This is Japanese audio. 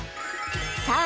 さあ